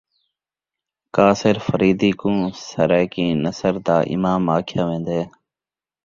قاصر فریدی کوں سرائیکی نثر دا امام آکھیا ویندے